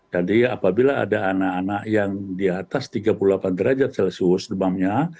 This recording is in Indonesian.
jadi apabila ada anak anak yang di atas tiga puluh delapan derajat celcius demamnya